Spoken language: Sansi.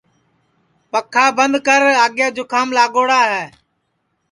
پکھا بند کر آگے جُکھام لاگوڑا ہے